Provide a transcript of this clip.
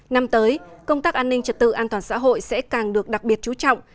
năm tới công tác an ninh trật tự an toàn xã hội sẽ càng được đặc biệt chú trọng